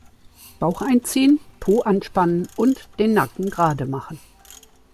Bauch einziehen, Po anspannen und den Nacken gerade machen.